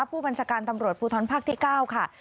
ผู้บัญชาการตำรวจภูทรภาคที่๙ค่ะ